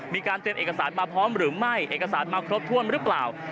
มีการเตรียมเอกสารมาพร้อมหรือไม่เอกสารมาครบถ้วนหรือเปล่า